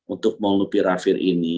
untuk molupirafir ini